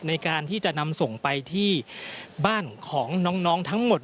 ในการที่จะนำส่งไปที่บ้านของน้องทั้งหมด